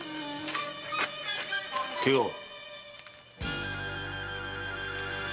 ケガは？